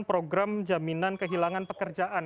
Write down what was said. program jaminan kehilangan pekerjaan